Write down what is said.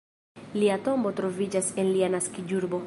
Lia tombo troviĝas en lia naskiĝurbo.